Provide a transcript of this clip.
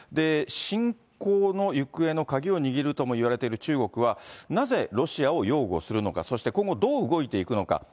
侵攻の行方の鍵を握るともいわれている中国は、なぜロシアを擁護するのか、そして今後、どう動いていくのか。